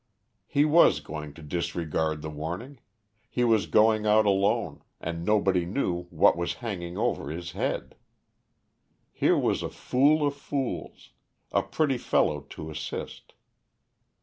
He was going to disregard the warning; he was going out alone; and nobody knew what was hanging over his head! Here was a fool of fools, a pretty fellow to assist.